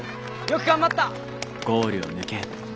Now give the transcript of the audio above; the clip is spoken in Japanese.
よく頑張った！